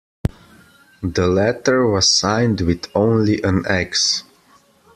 The letter was signed with only an X.